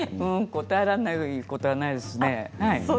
答えられないことはないですね。